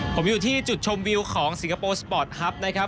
ผมอยู่ที่จุดชมวิวของสิงคโปร์สปอร์ตฮัพนะครับ